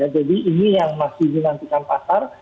jadi ini yang masih dinantikan pasar